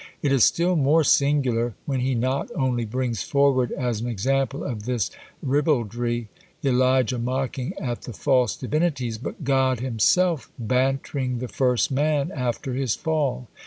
It is still more singular, when he not only brings forward as an example of this ribaldry, Elijah mocking at the false divinities, but God himself bantering the first man after his fall.